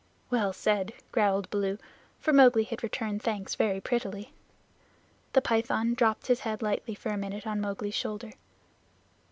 "Well said," growled Baloo, for Mowgli had returned thanks very prettily. The Python dropped his head lightly for a minute on Mowgli's shoulder.